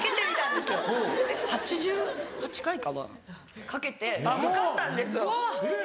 で８８回かなかけてかかったんですよ。